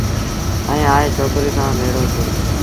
ائيٚݩ آئي ڇوڪري سآݩ ڀيڙو ٿيٚو